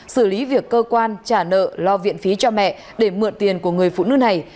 xử lý việc cơ quan trả nợ lo viện phí cho mẹ để mượn tiền của người phụ nữ này